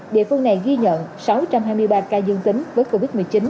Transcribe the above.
địa phương này ghi nhận sáu trăm hai mươi ba ca dương tính với covid một mươi chín